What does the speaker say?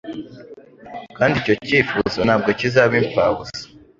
kandi icyo cyifuzo ntabwo kizaba imfabusa.